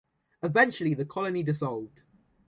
Eventually the Colony dissolved.